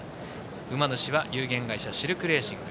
馬主は有限会社シルクレーシング。